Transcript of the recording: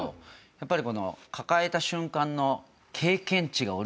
やっぱりこの抱えた瞬間の。